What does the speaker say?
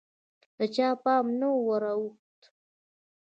د چا پام نه وراوښت